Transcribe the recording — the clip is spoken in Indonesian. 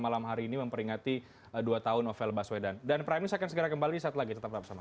malam hari ini memperingati dua tahun novel baswedan dan prime news akan segera kembali saat lagi tetap bersama